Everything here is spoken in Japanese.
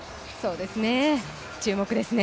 注目ですね。